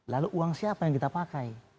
lalu uang siapa yang kita pakai